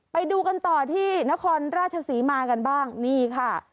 ไปดูกันต่อที่นครราชศรีมากันบ้างนี่ค่ะ